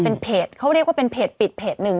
เป็นเพจเขาเรียกว่าเป็นเพจปิดเพจหนึ่ง